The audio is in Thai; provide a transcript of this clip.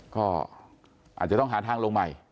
ก็อาจจะต้องหาทางลงใหม่